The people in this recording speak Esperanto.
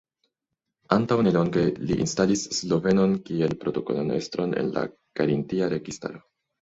Antaŭ nelonge li instalis slovenon kiel protokolan estron en la karintia registaro.